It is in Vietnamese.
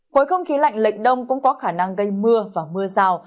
khối không khí lạnh lệnh đông cũng có khả năng gây mưa và mưa rào